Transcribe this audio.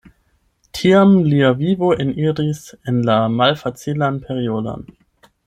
Tiam lia vivo eniris en la malfacilan periodon.